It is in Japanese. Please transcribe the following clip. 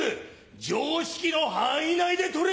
常識の範囲内で撮れ！